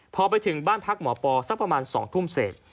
พอไปถึงบ้านพักหมอปอสักประมาณ๒ทุ่มเศษ